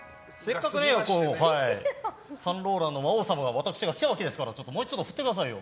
せっかくサンローランの魔王様が来たんですからもうちょっと振ってくださいよ。